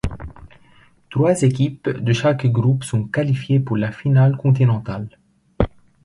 Trois équipes de chaque groupe sont qualifiées pour la finale continentale.